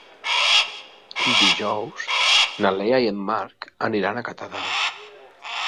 Dijous na Lea i en Marc aniran a Catadau.